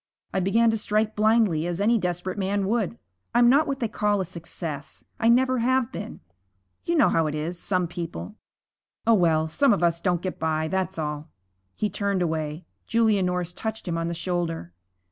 I began to strike blindly as any desperate man would. I'm not what they call a success I never have been. You know how it is, some people Oh, well! Some of us don't get by, that's all.' He turned away. Julia Norris touched him on the shoulder.